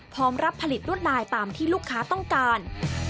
พร้อมรับผลิตรวดลายตามที่ลูกค้าต้องการ